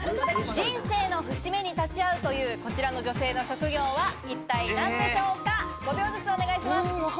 人生の節目に立ち会うというこちらの女性の職業は一体何だと思いますか？